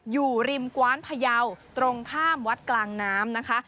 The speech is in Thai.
อยู่ริมกว้านพยาวตรงข้ามวัดกลางน้ำนะคะ